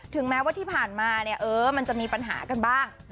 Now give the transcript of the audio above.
ถึงแม้ว่าที่ผ่านมามันจะมีปัญหากันบ้าง